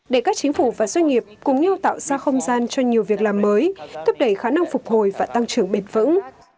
để các chính phủ và doanh nghiệp cùng nhau tạo ra không gian cho nhiều việc làm mới thúc đẩy khả năng phục hồi và tăng trưởng bền vững